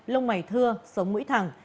lông mẩy thưa sống mũi thẳng